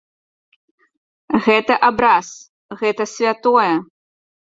Гэта абраз, гэта святое.